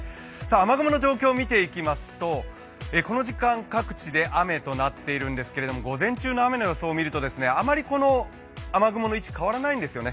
雨雲の状況を見ていきますとこの時間、各地で雨となっているんですけれども午前中の位置を見るとあまり雨雲の位置が変わらないんですよね。